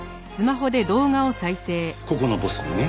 ここのボスにね。